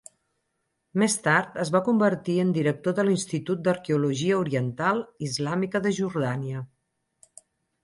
Més tard es va convertir en director de l'Institut d'Arqueologia Oriental Islàmica de Jordània.